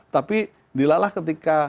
tapi dilalah ketika